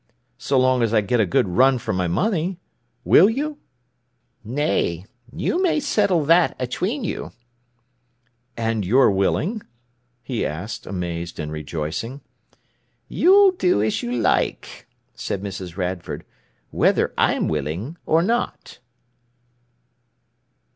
"So long as I get a good run for my money! Will you?" "Nay; you may settle that atween you." "And you're willing?" he asked, amazed and rejoicing. "You'll do as you like," said Mrs. Radford, "whether I'm willing or not."